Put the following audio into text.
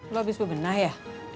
lo habis bebenah ya